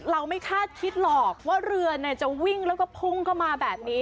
ไม่คาดคิดหรอกว่าเรือจะวิ่งแล้วก็พุ่งเข้ามาแบบนี้